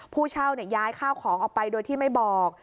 ผู้เช่าย้ายข้าวของออกไปโดยที่ไม่บอก